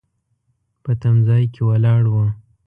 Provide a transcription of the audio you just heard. په تم ځای کې ولاړ و.